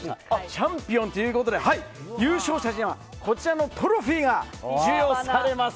チャンピオンということで優勝者にはこちらのトロフィーが授与されます！